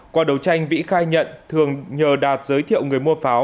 qua đấu tranh vĩ khai nhận thường nhờ đạt giới thiệu người mua pháo